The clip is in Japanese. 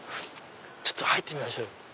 ちょっと入ってみましょうよ。